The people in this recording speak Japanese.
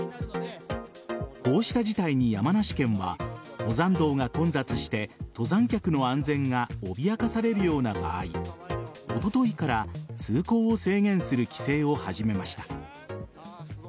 こうした事態に山梨県は登山道が混雑して登山客の安全が脅かされるような場合おとといから通行を制限する規制を始めました。